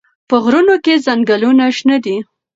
په غرونو کې ځنګلونه شنه دي.